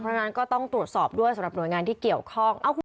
เพราะฉะนั้นก็ต้องตรวจสอบด้วยสำหรับหน่วยงานที่เกี่ยวข้อง